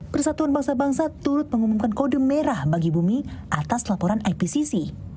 persatuan bangsa bangsa turut mengumumkan kode merah bagi bumi atas laporan ipcc